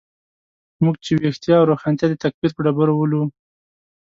موږ چې ویښتیا او روښانتیا د تکفیر په ډبرو ولو.